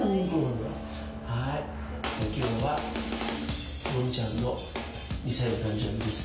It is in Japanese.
今日は、つぼみちゃんの２歳の誕生日です。